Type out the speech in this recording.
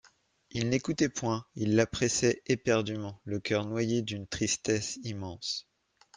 Il n'écoutait point, il la pressait éperdument, le coeur noyé d'une tristesse immense.